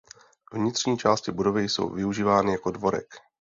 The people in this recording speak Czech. Vnitřní části budovy jsou využívány jako dvorek.